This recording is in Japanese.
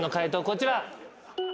こちら。